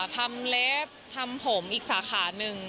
ทำเล็บทำผมอีกสาขานึง